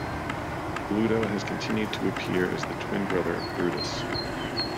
Bluto has continued to appear as the twin brother of Brutus.